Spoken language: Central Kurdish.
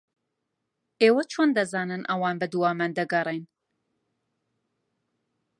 ئێوە چۆن دەزانن ئەوان بەدوامان دەگەڕێن؟